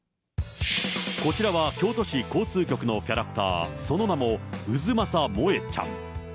こちらは京都市交通局のキャラクター、その名も太秦萌ちゃん。